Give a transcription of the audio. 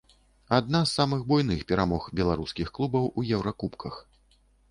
Адна з самых буйных перамог беларускіх клубаў у еўракубках.